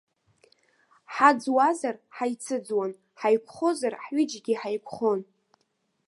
Ҳаӡуазар, ҳаицыӡуан, ҳаиқәхозар, ҳҩыџьегьы ҳаиқәхон.